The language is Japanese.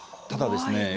ただですね